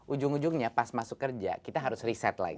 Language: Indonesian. ujung ujungnya pas masuk kerja kita harus riset lagi